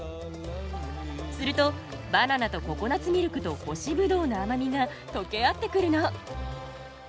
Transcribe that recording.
するとバナナとココナツミルクと干しぶどうの甘みが溶け合ってくるの。